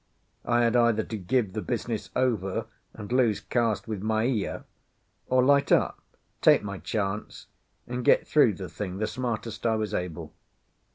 I had either to give the business over and lose caste with Maea, or light up, take my chance, and get through the thing the smartest I was able.